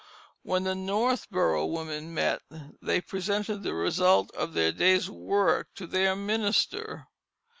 When the Northboro women met, they presented the results of their day's work to their minister.